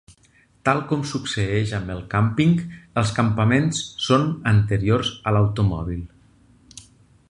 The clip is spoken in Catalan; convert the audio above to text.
Tal com succeeix amb el càmping, els campaments són anteriors a l'automòbil.